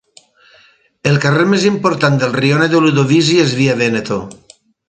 El carrer més important del rione de Ludovisi és Via Veneto.